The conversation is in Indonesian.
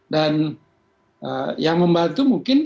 dan yang membantu mungkin